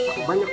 saya tidak bisa